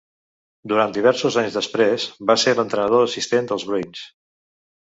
Durant diversos anys després, va ser l'entrenador assistent dels Bruins.